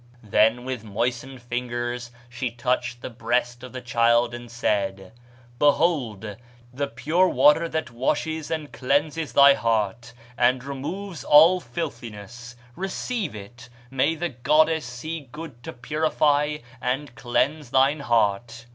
Then with moistened fingers she touched the breast of the child, and said, 'Behold the pure water that washes and cleanses thy heart, that removes all filthiness; receive it: may the goddess see good to purify and cleanse thine heart.'